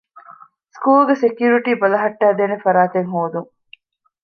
ސްކޫލުގެ ސެކިއުރިޓީ ބަލަހައްޓައިދޭނެ ފަރާތެއް ހޯދުން